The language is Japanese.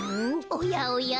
おやおや？